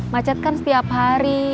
macet kan setiap hari